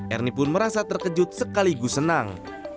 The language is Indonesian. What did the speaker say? ernie pun merasa terkejut sekaligus senang